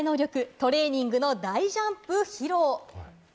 トレーニングの大ジャンプ披露！